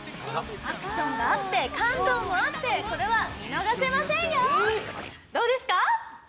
アクションがあって感動もあってこれは見逃せませんよ！